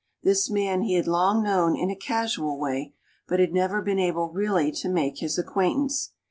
This man he had long known in a casual way, but had never been able really to make his acquaintance.